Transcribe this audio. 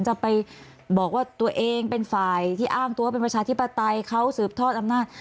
จะไปบอกว่าตัวเองเป็นฝ่ายที่อ้างตัวเป็นประชาธิปไตยเขาสืบทอดอำนาจ